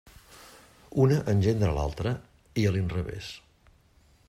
Una engendra l'altra, i a l'inrevés.